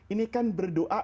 ini kan berdoa